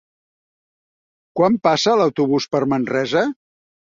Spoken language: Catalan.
Quan passa l'autobús per Manresa?